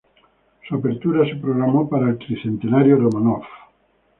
Su apertura se programó para el Tricentenario Romanov.